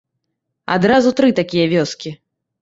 Адразу тры такія вёскі.